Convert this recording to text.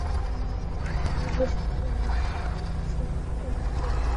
আমরা যখন কথা বলি, তখন অনেকগুলো স্নায়ু অত্যন্ত দ্রুততার সঙ্গে কাজ করে।